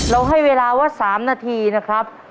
ให้เวลาว่า๓นาทีนะครับ